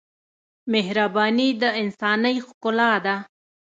مهرباني د انسانۍ ښکلا ده.